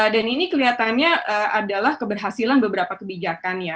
ini kelihatannya adalah keberhasilan beberapa kebijakan ya